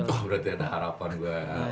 berarti ada harapan buat